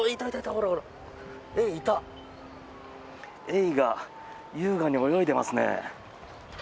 エイが優雅に泳いでますね。